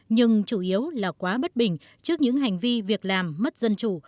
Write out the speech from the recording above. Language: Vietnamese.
nhưng chủ yếu là quá bất bình trước những hành vi việc làm mất dân chủ